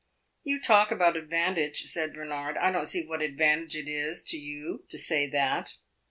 "You talk about advantage," said Bernard. "I don't see what advantage it is to you to say that."